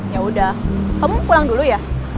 yaudah kamu pulang dulu ya